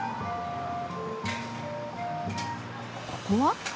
ここは？